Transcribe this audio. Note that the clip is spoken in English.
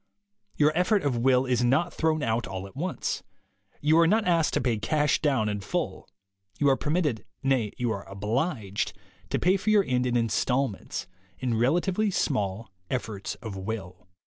Your effort of will is not thrown out all at once. You are not asked to pay cash down in full. You are permitted — nay, you are obliged — to pay for your end in installments, in relatively small efforts of will.